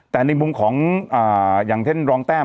แต่ในมุมของอย่างท่านรองแต้ม